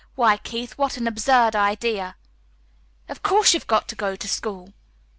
Why, Keith, what an absurd idea! Of course you've got to go to school!"